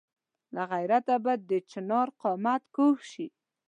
له غیرته به د چنار قامت کږ شي.